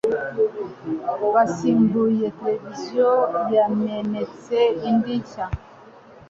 Basimbuye televiziyo yamenetse indi nshya.